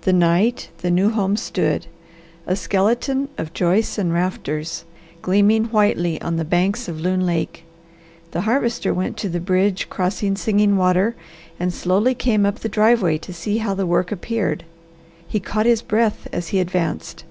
The night the new home stood, a skeleton of joists and rafters, gleaming whitely on the banks of Loon Lake, the Harvester went to the bridge crossing Singing Water and slowly came up the driveway to see how the work appeared. He caught his breath as he advanced.